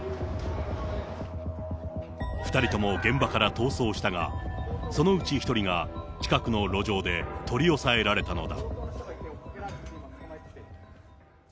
２人とも現場から逃走したが、そのうち１人が、近くの路上で取り押さえられたのだ。